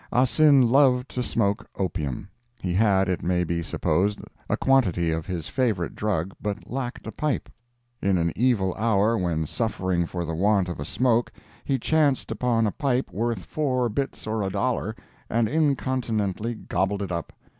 Ah Sin loved to smoke opium. He had, it may be supposed, a quantity of his favorite drug, but lacked a pipe. In an evil hour, when suffering for the want of a smoke, he chanced upon a pipe "worth four bits or a dollar," and incontinently gobbled it up.